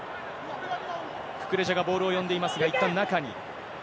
ククレジャがボールを呼んでいますが、いったん中に。